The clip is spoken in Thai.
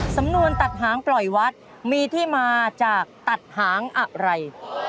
สำนวนตัดหางปล่อยวัดมีที่มาจากตัดหางอะไร